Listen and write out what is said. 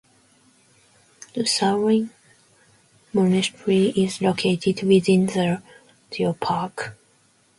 The Shaolin Monastery is located within the geopark.